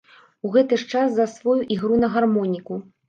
У гэты ж час засвоіў ігру на гармоніку.